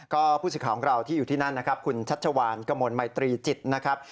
ก็ผู้สื่อข่าวของเราที่อยู่ที่นั่นนะครับคุณชัชวานกระมวลมัยตรีจิตนะครับ